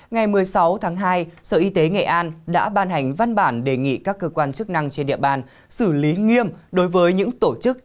ngày một mươi sáu tháng hai sở y tế nghệ an đã ban hành văn bản đề nghị các cơ quan chức năng trên địa bàn xử lý nghiêm đối với những tổ chức